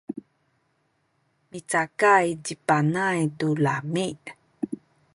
micakay ci Panay tu lami’.